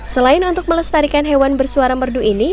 selain untuk melestarikan hewan bersuara merdu ini